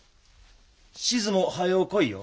志津も早う来いよ。